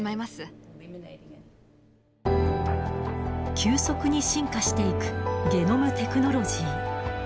急速に進化していくゲノムテクノロジー。